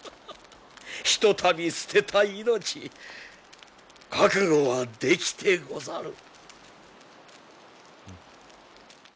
ひとたび捨てた命覚悟はできてござる。